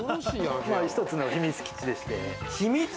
一つの秘密基地でして。